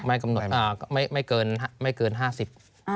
ไม่กำหนดไม่เกินไม่เกินห้าสิบ